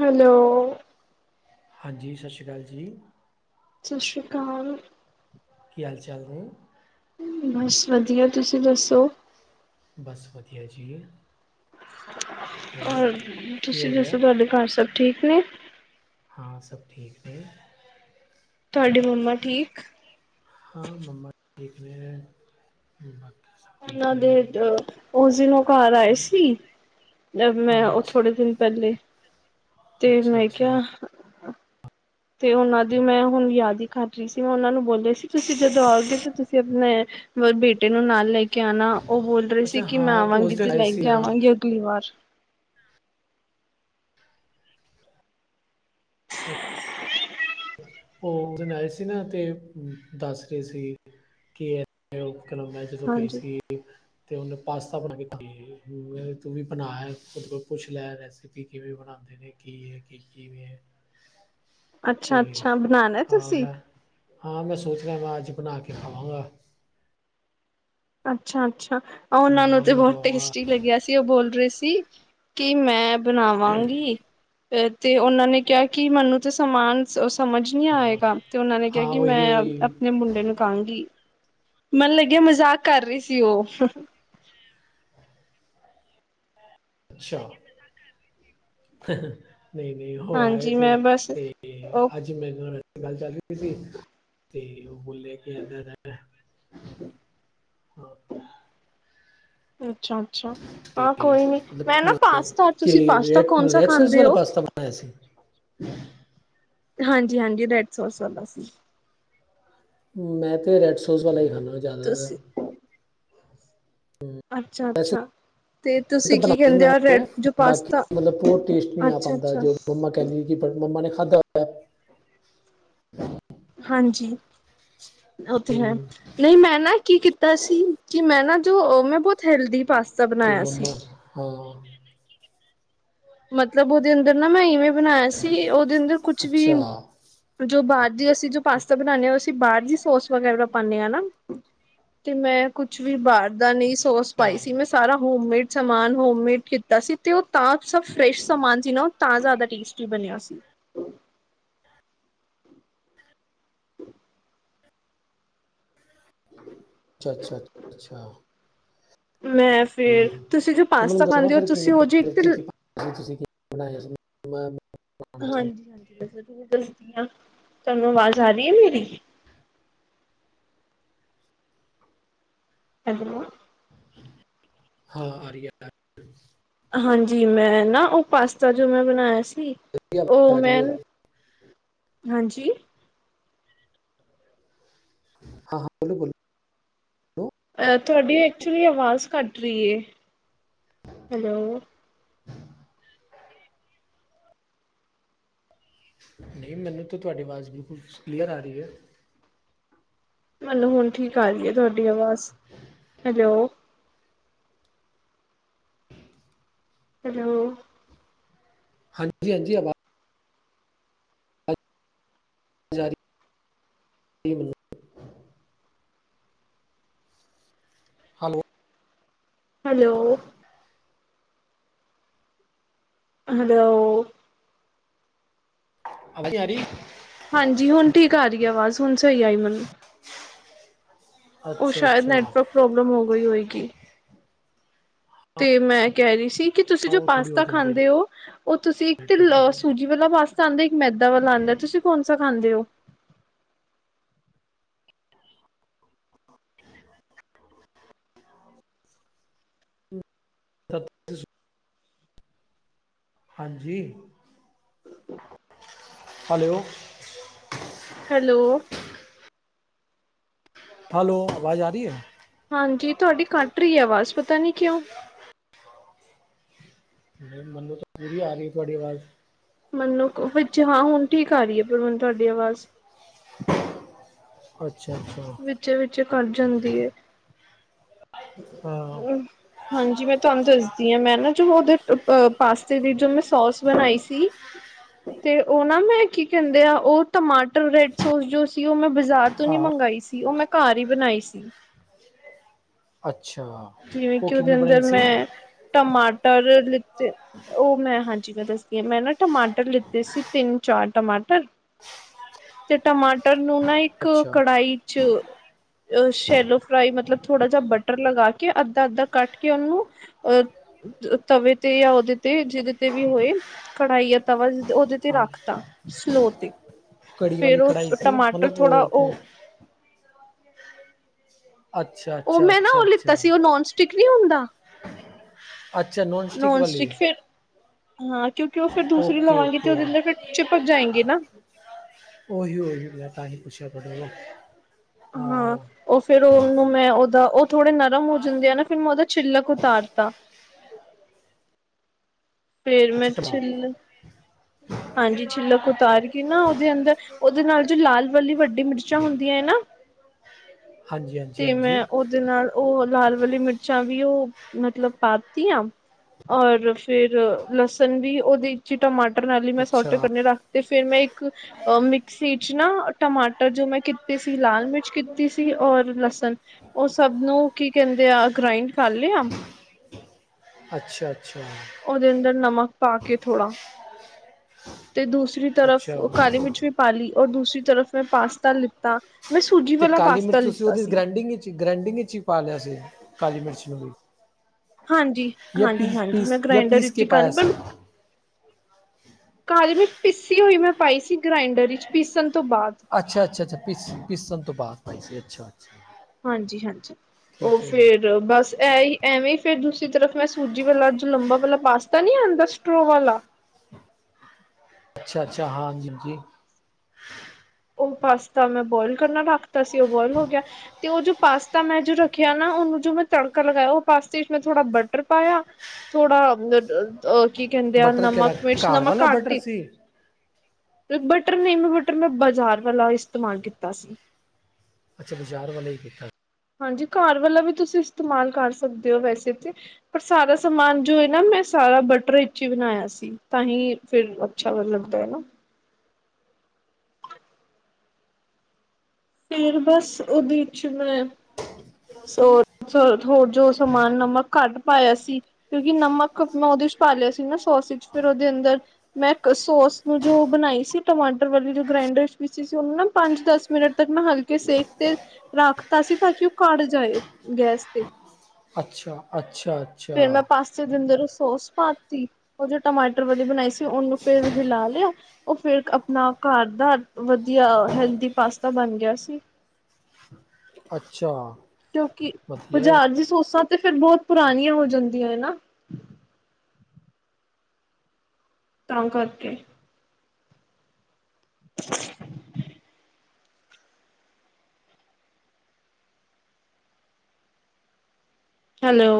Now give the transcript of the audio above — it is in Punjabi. ਹੈਲੋ। ਹਾਂਜੀ ਸਾਸ਼੍ਰੀਕਾਲ ਜੀ। ਸਾਸ਼੍ਰੀਕਾਲ। ਕੀ ਹਾਲ ਚਾਲ ਨੇ? ਬਸ ਵਧੀਆ ਤੁਸੀ ਦੱਸੋ? ਬਸ ਵਧੀਆ ਜੀ। ਹੋਰ ਔਰ ਕੀ ਤੁਸੀ ਹੋ ਰਿਹਾ ਦਸੋ ਤਾਡੇ ਘਰ ਸਭ ਠੀਕ ਨੇ? ਹਾਂ, ਸਭ ਠੀਕ ਨੇ। ਤੁਆਡੀ ਮੰਮਾ ਠੀਕ? ਹਾਂ ਮੰਮਾ ਠੀਕ ਨੇ। [unintelligible] ਪੁੰਟਾ ਸਾਬ ਓਨਾ ਦੇ ਓਸ ਦਿਨ ਓ ਘਰ ਆਏ ਸੀ। ਬਸ ਮੈ ਹਾਂ ਓ ਥੋੜੇ ਅੱਛਾ ਦਿਨ ਪੈਲੇ ਤੇ ਅੱਛਾ ਮੈ ਅੱਛਾ ਕਿਆ। ਤੇ ਓਨਾ ਦੀ ਮੈ ਹੁਣ ਯਾਦ ਹੀ ਖਟ ਰੀ ਸੀ ਮੈ ਓਨਾ ਨੂੰ ਬੋਲਿਆ ਸੀ ਕਿ ਤੁਸੀ ਜਦੋ ਆਓਗੇ ਤੇ ਤੁਸੀ ਅਪਨੇ - ਮਰ ਬੇਟ [unintelligible] ਏਨੂੰ ਨਾਲ ਲੈ ਕੇ ਆਨਾ ਓ ਬੋਲ ਰਈ ਸੀ ਅੱਛਾ ਕਿ ਮੈ ਹਾਂ ਤੂੰ ਉਸ ਆਵਾਂਗੀ ਦਿਨ ਤੇ ਆਏ ਲੈ ਸੀ ਕੇ ਹਾਂ ਆਵਾਂਗੀ ਅਗਲੀ ਵਾਰ- ਹ ਹੋ ਉਸ ਦਿਨ ਆਏ ਸੀ ਨਾ ਤੇ ਦੱਸ ਰਏ ਸੀ। ਕਿ [unintelligible] ਉਹ ਘਰੋਂ ਮੈ ਜਦੋ ਗਈ ਹਾਂਜੀ, ਸੀ। ਤੇ ਓਨੇ ਪਾਸਤਾ [unintelligible] ਬਣਾ ਤੂੰ ਵੀ ਬਣਾਲ ਪੁਛ ਲੈ ਰੈਸਪੀ ਕਿਵੇਂ ਬਣਾਂਦੇ। ਯਨੀ ਕਿ ਐ ਕੀ ਕਿਵੇ ਐ। ਤੇ ਅੱਛਾ-ਅੱਛਾ ਬਣਾਣਾ ਹਾਂ ਤੁਸੀਂ? ਮੈ ਹਾਂ ਮੈ ਸੋਚ ਰਿਆਂ ਵਾਂ ਅਜ ਬਣਾ ਕੇ ਖਾਵਾਂਗਾ। ਅਛਾ- ਅਛਾ ਉਹਨਾ ਨੂੰ ਮੰਮਾ ਤੇ ਵੀ ਬੋਤ ਖਵਾਵਾਂਗਾ ਟੇਸਟੀ ਲਗਿਆ। ਸੀ ਉਹ ਬੋਲ ਰਹੇ ਸੀ ਕਿ ਮੈ ਬਣਾਵਾਂਗੀ। ਅ ਤੇ ਉਹਨਾ ਨੇ ਕਿਹਾ ਕਿ ਮੈਨੂੰ ਤੇ ਸਮਾਨ- ਉਹ ਸਮਝ ਨਹੀ ਹਾਂ ਆਏਗਾ ਤੇ ਉਹਨਾ ਨੇ ਕਿਹਾ ਹਾਂ ਕਿ ਉਹੀ ਮੈ ਉਹੀ ਆਪਣੇ ਮੁੰਡੇ ਨੂੰ ਕਹਾਂ ਗੀ। ਮੈਨ ਲਗਿਆ ਮਜ਼ਾਕ ਕਰ ਰਹੀ ਸੀ ਉਹ- ਅਛਾ- ਨਹੀ- ਨਹੀ ਉਹ ਆਏ ਹਾਂਜੀ ਸੀ ਮੈਂ ਬਸ ਤੇ ਉਹ ਅਜ- ਮੈਨੂੰ ਨਾਲ ਗੱਲ ਚਲਦੀ ਸੀ ਤੇ ਉਹ ਬੋਲਿਆ ਕਿ ਇਦੇ ਦਾਂ- ਅੱਛਾ-ਅੱਛਾ ਹਾਂ ਕੋਈ ਨੀ ਮੈਂ ਨਾ ਪਾਸਤਾ ਕੀ ਤੁਸੀਂ ਪਾਸਤਾ ਰ ਕੌਣ ਸਾ ਰੇਡ ਸੋਸ ਖਾਂਦੇ ਵਾਲਾ ਹੋ ਪਾਸਤਾ- ਪੈਸੇ- ਹਾਂਜੀ- ਹਾਂਜੀ ਰੈਡ ਸੋਸ ਵਾਲਾ ਸੀ। ਮੈਂ ਤੇ ਰੈਡ ਸੋਸ ਵਾਲਾ ਹੀ ਖਾਂਦਾ ਜਿਆਦਾ ਤਰ- ਤੁਸੀਂ ਅਛਾ- ਵੈਸੇ ਅਛਾ- ਤੇ ਤਾਂ ਤੁਸੀ ਬਣਾ ਕੀ ਕਹਿੰਦੇ ਲੈਂਦਾ ਆ ਵਾਂ ਰੇਡ ਮੈਂ ਜੋ ਬਾਕੀ ਪਾਸਤਾ ਅਛਾ- ਅਛਾ- ਕੈਂਦੀ ਜੀ ਕਿ ਮੰਮਾ ਨੇ ਖਾਧਾ ਹੋਏ-ਆ ਹਾਂਜੀ ਓ ਤੇ ਹੈ। ਹਮ, ਨਹੀ ਮੈ ਨਾ ਕੀ ਕੀਤਾ ਸੀ ਕਿ ਮੈ ਨਾ ਜੋ ਮੈ ਬੋਤ ਹੈਲਦੀ ਪਾਸਤਾ- ਫਿਰ ਬਣਾਇਆ ਸੀ। ਮੰਮਾ ਹਾਂ- ਮਤਲਬ ਉਹਦੇ ਅੰਦਰ ਨਾ ਮੈ ਇਵੇ- ਬਣਾਇਆ ਸੀ ਉਹਦੇ ਅੰਦਰ ਕੁਛ ਅੱਛਾ ਵੀ ਜੋ ਬਾਹਰ ਦੀ ਅਸੀਂ ਜੋ ਪਾਸਤਾ ਬਣਾਨਦੇ ਹਾਂ। ਬਾਹਰ ਦੀ ਸੋਸ ਵਗੈਰਾ ਪਾਦੇ ਹਾਂ ਨਾ ਤੇ ਮੈ ਕੁਛ ਵੀ ਬਾਹਰ ਦਾ ਨ- ਸੋਸ ਅੱਛਾ ਪਾਈ ਸੀ ਮੈ ਸਾਰਾ ਹੋਮਮੇਡ ਸਮਾਨ ਹੋਮਮੇਡ ਕੀਤਾ ਸੀ ਤੇ ਉਹ ਤਾਂ- ਸਬ ਫਰੈਸ਼ ਸਮਾਨ ਸੀ ਨਾ ਉਹ ਤਾਂ ਜਿਆਦਾ ਟੇਸਟੀ ਬਣਿਆ ਸੀ। ਅਛਾ- ਅਛਾ ਅੱ ਅਛਾ- ਮੈ ਫੇਰ ਤੁਸੀ ਜੋ ਪਾਸਤਾ ਖਾਂਦੇ ਹੋ ਤੁਸੀ ਉਹ ਜਿਹੀ ਇੱਕ ਤਾਂ- ਤੁਸੀ ਬਣਾਇਆ ਸੀ। ਬਣਾਉਣਾ ਚਾਹੁੰਦਾ ਹਾਂਜੀ- ਹਾਂਜੀ ਮੈ ਜਰੂਰ ਦਸਦੀ ਹਾ ਤੁਹਾਨੂੰ ਆਵਾਜ਼ ਆ ਰਹੀ ਹੈ। ਮੇਰੀ- [unintelligible] ਹਾਂ ਆ ਰੀ ਐ [inaudible] ਹਾਂਜੀ ਮੈਂ ਨਾਂ ਉਹ ਪਾਸਤਾ ਜੋ ਮੈਂ ਬਣਾਇਆ ਸੀ ਉਹ ਆ ਰਹੀ ਮੈਂ ਹੈ ਹਾਂਜੀ ਹਾਂ-ਹਾਂ ਬੋਲੋ-ਬੋਲੋ। ਅ ਤੁਹਾਡੀ ਐਕਚੁਲੀ ਅਵਾਜ਼ ਕੱਟ ਰੀ ਏ ਹੈਲੋ। ਨਹੀਂ ਮੈਨੂੰ ਤਾਂ ਤੁਹਾਡੀ ਅਵਾਜ਼ ਬਿਲਕੁਲ ਕਲੀਅਰ ਆ ਰਹੀ ਐ। ਮੈਨੂੰ ਹੁਣ ਠੀਕ ਆ ਰਹੀ ਐ ਤੁਹਾਡੀ ਆਵਾਜ਼ ਹੈਲੋ। ਹੈਲੋ ਹਾਂਜੀ-ਹਾਂਜੀ ਅਵਾ ਜਾਰੀ [unintelligible] ਹਲੋ ਹਲੋ ਹਲੋ ਹਾਂਜੀ ਆਰੀ ਹਾਂਜੀ ਹੁਣ ਠੀਕ ਆ ਰਹੀ ਆ ਅਵਾਜ਼ ਹੁਣ ਸਹੀ ਆਈ ਮਨੂੰ। ਉਹ ਅੱਛਾ ਸ਼ਾਇਦ ਅੱਛਾ ਨੈਟਵਰਕ ਪ੍ਰੋਬਲਮ ਹੋ ਗਈ ਹੋਏਗੀ। ਹਾਂ ਤੇ ਮੈਂ ਕਹਿ ਰਹੀ ਸੀ, ਕਿ ਤੁਸੀਂ ਜੋ ਉਹ ਥੋੜੀ ਹੋ ਪਾਸਤਾ ਜਾਂਦੀ ਹੈ ਖਾਂਦੇ ਓ ਉਹ ਤੁਸੀਂ ਨੈਟਵਰਕ ਤਿਲ ਪ੍ਰੋਬਲਮ ਸੂਜੀ ਮਤਲਬ ਇੱਕ ਮੈਦਾ ਵਾਲਾ ਆਂਦਾ ਏ, ਤੁਸੀਂ ਕੌਣ ਸਾ ਖਾਂਦੇ ਓ? [inaudible] ਹਾਂਜੀ। ਹੈਲੋ। ਹੈਲੋ। ਹਲੋ, ਅਵਾਜ ਆ ਰਹੀ ਐ? ਹਾਂਜੀ, ਤੁਹਾਡੀ ਕੱਟ ਰਹੀ ਹੈ ਅਵਾਜ਼ ਪਤਾ ਨੀਂ ਕਿਉਂ। ਨਹੀਂ ਮੰਨੂੰ ਤਾਂ ਪੂਰੀ ਆ ਰਹੀ ਤੁਹਾਡੀ ਅਵਾਜ਼। ਮੰਨੂੰ ਕ ਵਿੱਚ ਹਾਂ ਹੁਣ ਠੀਕ ਆ ਰਹੀ ਏ ਪਰ ਮੰਨੂੰ ਤੁਹਾਡੀ ਅਵਾਜ਼। ਅੱਛਾ-ਅੱਛਾ। ਵਿੱਚੇ- ਵਿੱਚੇ ਕੱਟ ਜਾਂਦੀ ਏ। ਊਂ ਹਾਂ ਹਾਂਜੀ ਮੈਂ ਤੁਹਾਨੂੰ ਦੱਸਦੀ ਆਂ ਮੈਂ ਨਾਂ ਜੋ ਉਹਦੇ ਅਹ ਪਾਸਤੇ ਦੀ ਜੋ ਮੈਂ ਸੌਸ ਬਣਾਈ ਸੀ। ਤੇ ਉਹ ਨਾ ਮੈਂ ਕੀ ਕਹਿੰਦੇ ਆ ਉਹ ਟਮਾਟਰ ਰੈਡ ਸੋਸ ਜੋ ਸੀ ਉਹ ਮੈਂ ਬਜ਼ਾਰ ਤੂੰ ਨੀ ਹਾਂ ਮੰਗਾਈ ਸੀ, ਉਹ ਮੈਂ ਘਰ ਹੀ ਬਣਾਈ ਸੀ। ਅੱਛਾ, ਜਿਵੇਂ ਉਹ ਕਿ ਉਹਦੇ ਕਿਨੇ ਅੰਦਰ ਬਣਾਈ ਸੀ? ਮੈਂ ਟਮਾਟਰ ਲਿੱਤੇ ਉਹ ਮੈਂ ਹਾਂਜੀ ਮੈਂ ਦੱਸਦੀ ਆਂ ਮੈਂ ਨਾ ਟਮਾਟਰ ਲਿੱਤੇ ਸੀ ਤਿੰਨ-ਚਾਰ ਟਮਾਟਰ। ਤੇ ਟਮਾਟਰ ਨੂ ਨਾ ਈ ਇੱਕ ਅੱਛਾ ਕੜਾਹੀ ਚ ਸ਼ੈਲੋ ਫਰਾਈ ਮਤਲਬ ਥੋੜਾ ਜਾ ਬਟਰ ਲਗਾ ਕੇ ਅੱਧਾ-ਅੱਧਾ ਕੱਟ ਕੇ ਉਹਨੂੰ ਅਹ ਤਵੇ ਤੇ ਯਾ ਉਹਦੇ ਤੇ ਜਿਹਦੇ ਤੇ ਵੀ ਹੋਏ ਕੜਾਈ ਤਵਾ ਜ ਉਹਦੇ ਤੇ ਹਾਂ ਰੱਖਤਾ ਸਲੋਅ ਤੇ ਕੜੀ ਵਾਲੀ ਫੇਰ ਕੜਾਈ ਉਹ ਸੀ ਟਮਾਟਰ ਮਤਲਬ ਥੋੜ੍ਹਾ ਉਹ ਅੱਛਾ ਉਹ ਅੱਛਾ ਮੈਂ ਨਾ ਅੱਛਾ ਉਹ ਲਿੱਤਾ ਅੱਛਾ ਸੀ, ਉਹ ਨੌਨ ਸਟਿਕ ਨੀਂ ਹੁੰਦਾ। ਅੱਛਾ, ਨੋਨ ਸਟਿਕ ਵਾਲੀ। ਹਾਂ, ਕਿਉਂਕਿ ਉਹ ਫਿਰ ਦੂਸਰੀ ਓਕੇ ਲਵਾਂਗੇ ਤੇ ਓਕੇ ਉਹਦੇ ਅੰਦਰ ਫਿਰ ਚਿਪਕ ਜਾਏਂਗੀ ਨਾਂ। ਉਹੀ ਓਹੀ ਹੁੰਦਾ, ਤਾਂ ਹੀ ਪੁੱਛਿਆ ਤੁਹਾਡੇ ਕੌ? ਹਾਂ। ਉਹ ਫੇਰ ਉਹਨੂੰ ਮੈਂ ਉਹਦਾ ਉਹ ਥੋੜੇ ਨਰਮ ਹੋ ਜਾਂਦੇ ਆ ਨਾਂ ਫਿਰ ਮੈਂ ਉਹਦਾ ਛਿੱਲਕ ਉਤਾਰਤਾ। ਫੇਰ ਮੈਂ ਅੱਛਾ ਟਮਾ ਛਿੱਲ ਹਾਂਜੀ, ਛਿੱਲਕ ਉਤਾਰ ਕੇ ਨਾ ਉਹਦੇ ਅੰਦਰ ਉਹਦੇ ਨਾਲ ਜੋ ਲਾਲ ਵਾਲੀ ਵੱਡੀ ਮਿਰਚਾਂ ਹੁੰਦੀਐਂ ਨਾਂ। ਹਾਂਜੀ ਹਾਂਜੀ ਤੇ ਹਾਂਜੀ ਮੈਂ ਉੱਦੇ ਨਾਲ ੳ ਲਾਲ ਵਾਲੀ ਮਿਰਚਾਂ ਵੀ ੳ, ਮਤਲਬ ਪਾ ਤੀਆ ਔਰ ਫਿਰ, ਲਸਣ ਵੀ ੳਦੇ ਇਚ ਈ ਟਮਾਟਰ ਨਾਲੀ ਮੈਂ ਅੱਛਾ ਸੋਟੇ ਕਰਨੇ ਰੱਖ ਤੇ ਫੇਰ ਮੈਂ ਇੱਕ ਔਰ ਮਿਕਸੀ ਚ ਨਾ, ਟਮਾਟਰ ਜੋ ਮੈਂ ਕੀਤੇ ਸੀ ਲਾਲ ਮਿਰਚ ਕੀਤੀ ਸੀ ਔਰ ਲਸਨ, ਓ ਸਬ ਨੂੰ ਕੀ ਕੈਂਦੇ ਆ ਗ੍ਰਾਇੰਡ ਕਰ ਲੇਆ ਅੱਛਾ-ਅੱਛਾ। ਓਦੇ ਅੰਡਰ ਨਮਕ ਪਾ ਕੇ ਥੋੜ੍ਹਾ ਤੇ ਦੂਸਰੀ ਅੱਛਾ ਤਰਫ ਓ ਕਾਲੀ ਮਿਚ ਵੀ ਪਾ ਲੀ ਔਰ ਦੂਸਰੀ ਤਰਫ ਮੈਂ ਪਾਸਤਾ ਲਿੱਤਾ ਮੈਂ ਸੂਜੀ ਤੇ ਵਾਲਾ ਕਾਲੀ ਪਾਸਤਾ ਮਿਰਚ ਤੁਸੀਂ ਲਿੱਤਾ ਉਦੀ ਸੀ ਗ੍ਰੈਂਡਿੰਗ ਵਿੱਚ ਗ੍ਰੈਂਡਿੰਗ ਵਿੱਚ ਈ ਪਾ ਲੇਆ ਸੀ? ਕਾਲੀ ਮਿਰਚ ਨੂੰ ਵੀ ਹਾਂਜੀ ਯੇ ਹਾਂਜੀ ਹਾਂਜੀ ਪੀਸ-ਪੀਸ ਮੈਂ ਯਾ ਗ੍ਰਾਇੰਡਰ ਪੀਸ ਵਿੱਚ ਕੇ ਹੀ ਕਰ ਪਾਏਆ ਸੀ? ਕਾਲੀ ਮਿਚ ਪੀਸੀ ਹੋਈ ਮੈਂ ਪਾਈ ਸੀ ਗ੍ਰਾਂਇਡਰ ਇੱਚ ਪੀਸਨ ਤੋਂ ਬਾਦ। ਅੱਛਾ-ਅੱਛਾ-ਅੱਛਾ ਪੀਸ, ਪੀਸਨ ਤੋਂ ਬਾਦ, ਅੱਛਾ- ਅੱਛਾ-ਅੱਛਾ। ਹਾਂਜੀ-ਹਾਂਜੀ, ਓ ਫੇਰ ਬਾਸ ਐ ਹੀ, ਐਵੇਂ ਈ ਫੇਰ ਦੂਸਰੀ ਤਰਫ ਮੈਂ ਸੂਜੀ ਵਾਲਾ ਜੋ ਲੰਬਾ ਵਾਲਾ ਪਾਸਤਾ ਨੀ ਆਂਦਾ ਸਟਰੋ ਵਾਲਾ, ਅੱਛਾ, ਅੱਛਾ। ਹਾਂਜੀ, ਜੀ। ਓ ਪਾਸਤਾ ਮੈਂ ਬੋਇਲ ਕਰਨਾ ਰਖਤਾ ਸੀ, ਓ ਬੋਇਲ ਹੋ ਗਿਆ। ਤੇ ਓ ਜੋ ਪਾਸਤਾ ਮੈਂ ਜੋ ਰੱਖਿਆ ਨਾ, ਉਨੂੰ ਜੋ ਮੈਂ ਤੜਕਾ ਲਗਾਇਆ, ਓ ਪਾਸਤੇ ਚ ਮੈਂ ਥੋੜਾ ਬਟਰ ਪਾਇਆ। ਥੋੜ੍ਹਾ ਮੇ ਅ ਅ, ਕੀ ਕਹਿੰਦੇ ਆ ਬਟਰ ਕਿਹੜਾ ਨਮਕ, ਮਿਰਚ, ਘਰ ਨਮਕ ਵਾਲਾ ਘੱਟ ਬਟਰ ਈ। ਸੀ ਤੇ ਬਟਰ ਨੀ, ਮੈਂ ਬਟਰ ਮੈਂ ਬਾਜਾਰ ਵਾਲਾ ਇਸਤੇਮਾਲ ਕੀਤਾ ਸੀ। ਅੱਛਾ ਬਜਾਰ ਵਾਲਾ ਈ ਕੀਤਾ। ਹਾਂਜੀ, ਘਾਰ ਵਾਲਾ ਵੀ ਤੁਸੀਂ ਇਸਤੇਮਾਲ ਕਰ ਸਕਦੇ ੳ ਵੈਸੇ ਤੇ। ਪਰ ਸਾਰਾ ਸਮਾਨ ਜੋ ਏ ਨਾ, ਮੈਂ ਸਾਰਾ ਬਟਰ ਇੱਚ ਈ ਬਣਾਇਆ ਸੀ। ਤਾਂਹੀ ਫਿਰ ਅੱਛਾ ਲੱਗਦਾ ਐ ਨਾ। ਫੇਰ ਬਸ ਉਦੇ ਚ ਮੈਂ, ਸੋ ਸ, ਹੋਰ ਜੋ ਸਮਾਨ ਨਮਕ ਘਟ ਪਾਇਆ ਸੀ। ਕਿਉਂਕਿ ਨਮਕ ਅਪਨਾ ਉਦੇ ਚ ਪਾ ਲਿਆ ਸੀ ਨਾ ਸੋਸ ਵਿੱਚ, ਫਿਰ ਉਦੇ ਅੰਦਰ ਮੈਂ ਇਕ ਸੋਸ ਨੂੰ ਜੋ ਬਣਾਈ ਸੀ ਟਮਾਟਰ ਵਾਲੀ ਜੋ ਗ੍ਰਾਂਇਡਰ ਚ ਪੀਸੀ ਸੀ, ਉਨੂੰ ਨਾ ਪੰਜ, ਦਸ ਮਿੰਟ ਤੱਕ ਨਾ ਹਲਕੇ ਸੇਕ ਤੇ ਰਾਖਤਾ ਸੀ, ਤਾਂ ਕਿ ਓ ਕੜ ਜਾਏ ਗੈਸ ਤੇ। ਅੱਛਾ, ਅੱਛਾ, ਅੱਛਾ। ਤੇ ਓਦੇ ਅੰਦਰ ਸੋਸ ਪਾਤੀ, ਓ ਜੋ ਟਮਾਟਰ ਵਾਲੀ ਬਣਾਈ ਸੀ ਉਨੂੰ ਫੇਰ ਹਿਲਾ ਲਿਆ। ਓ ਫੇਰ ਅਪਣਾ ਘਰ ਦਾ, ਵਧੀਆ ਹੈਲਦੀ ਪਾਸਤਾ ਬਣ ਗਿਆ ਸੀ। ਅੱਛਾ! ਕਿਉਂਕਿ, ਵਧੀਆ ਹੈ ਬਜਾਰ ਦੀ ਸੋਸਾਂ ਤੇ ਫਿਰ ਬਹੁਤ ਪੁਰਾਣੀਆਂ ਹੋ ਜਾਂਦੀਆਂ ਏ ਨਾ, ਤਾਂ ਕਰਕੇ। [unintelligible] ਹੈਲੋ!